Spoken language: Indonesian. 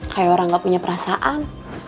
kayak orang gak punya perasaan